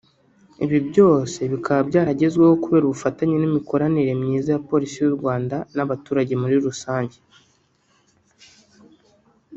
Ibi byose bikaba byaragezweho kubera ubufatanye n’imikoranire myiza ya Polisi y’u Rwanda n’abaturage muri rusange